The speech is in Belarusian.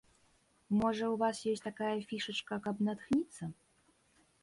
Можа, ў вас ёсць такая фішачка, каб натхніцца?